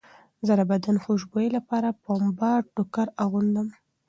زه د بدن خوشبویۍ لپاره پنبه ټوکر اغوندم.